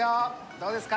どうですか？